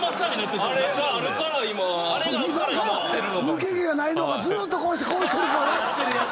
抜け毛がないのはずーっとこうしてこうしとるからな。